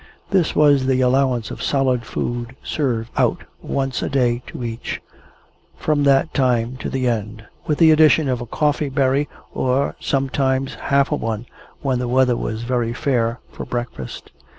This was the allowance of solid food served out once a day to each, from that time to the end; with the addition of a coffee berry, or sometimes half a one, when the weather was very fair, for breakfast.